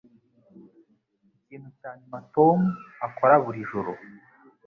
Ikintu cya nyuma Tom akora buri joro